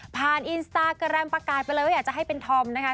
อินสตาแกรมประกาศไปเลยว่าอยากจะให้เป็นธอมนะคะ